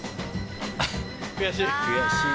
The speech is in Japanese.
悔しい。